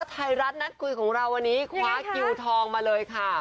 ไทยรัฐนัดคุยของเราวันนี้คว้าคิวทองมาเลยค่ะ